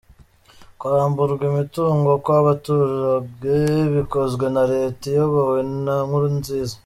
Kwamburwa imitungo kw’abaturage bikozwa na Leta iyobowe na Nkurunziza.